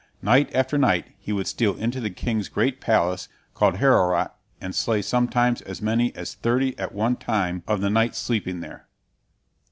Night after night he would steal into the king's great palace called Heorot and slay sometimes as many as thirty at one time of the knights sleeping there.